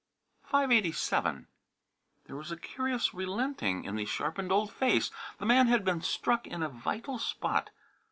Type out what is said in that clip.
"Five eighty seven." There was a curious relenting in the sharpened old face. The man had been struck in a vital spot.